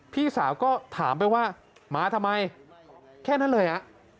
พี่สาวก็ถามไปว่าหมาทำไมแค่นั้นเลยอ่ะ